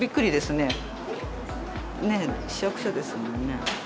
ねえ、市役所ですもんね。